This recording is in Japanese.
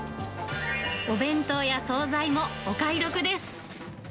お弁当や総菜もお買い得です。